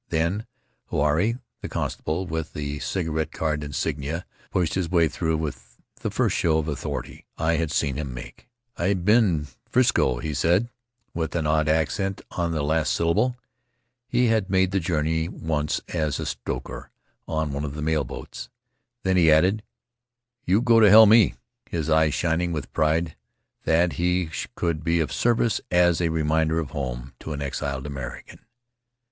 Then Huirai, the constable with the cigarette card insignia, pushed his way through with the first show of authority I had seen him make. "I been Frisco," he said, with an odd accent on the last syllable. He had made the journey once as a stoker on one of the mail boats. Then he added, "You go to hell, me," his eyes shining with pride that he could be of service as a reminder of home to an exiled American.